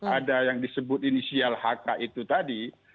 ada yang disebut inisial hk itu tadi